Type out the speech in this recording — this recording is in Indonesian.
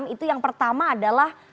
itu yang pertama adalah